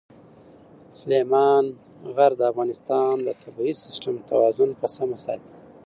سلیمان غر د افغانستان د طبعي سیسټم توازن په سمه ساتي.